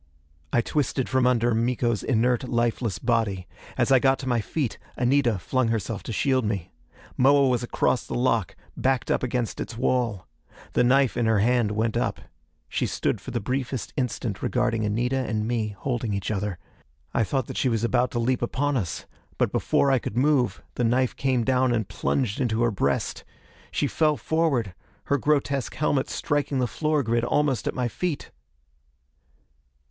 I twisted from under Miko's inert, lifeless body. As I got to my feet, Anita flung herself to shield me. Moa was across the lock, backed up against its wall. The knife in her hand went up. She stood for the briefest instant regarding Anita and me holding each other. I thought that she was about to leap upon us; but before I could move, the knife came down and plunged into her breast. She fell forward, her grotesque helmet striking the floor grid almost at my feet.